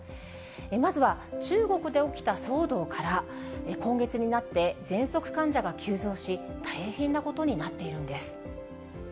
まずは中国で起きた騒動から、今月になってぜんそく患者が急増し、大変なことになっているんです。